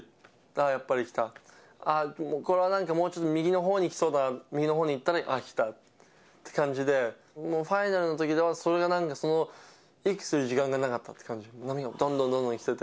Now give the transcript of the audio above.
ああ、やっぱり来た、ああ、これはなんかもうちょっと右のほうに来そうだな、右のほうに行ったら来たって感じで、もうファイナルのときは、それがなんか、その息する時間がなかったって感じで、波がどんどんどんどん来てて。